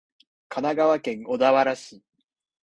神奈川県小田原市